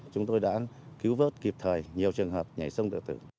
chúng tôi đã cứu vớt kịp thời nhiều trường hợp nhảy sông tự tử